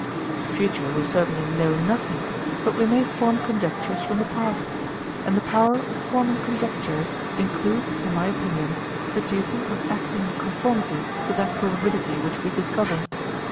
Of the future we certainly know nothing; but we may form conjectures from the past; and the power of forming conjectures, includes, in my opinion, the duty of acting in conformity to that probability which we discover.